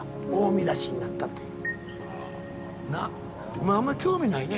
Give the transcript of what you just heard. お前あんま興味ないね。